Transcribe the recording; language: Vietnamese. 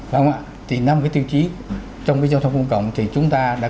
phải không ạ thì năm cái tiêu chí trong cái giao thông công cộng thì chúng ta đã